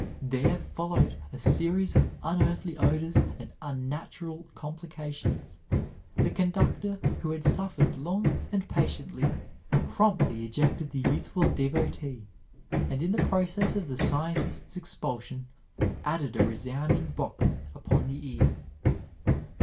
There followed a series of unearthly odors and unnatural complications. The conductor, who had suffered long and patiently, promptly ejected the youthful devotee, and in the process of the scientist's expulsion added a resounding box upon the ear.